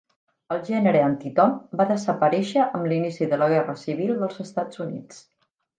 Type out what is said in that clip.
El gènere anti-Tom va desaparèixer amb l'inici de la Guerra Civil dels Estats Units.